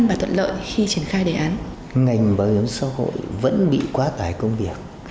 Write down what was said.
bảo hiểm xã hội vẫn bị quá tải công việc